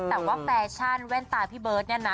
แต่ว่าแฟชั่นแว่นตาพี่เบิร์ตเนี่ยนะ